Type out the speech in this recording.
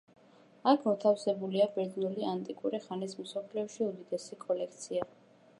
აქ მოთავსებულია ბერძნული ანტიკური ხანის მსოფლიოში უმდიდრესი კოლექცია.